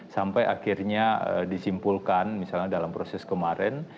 sampai akhirnya disimpulkan misalnya dalam proses kemarin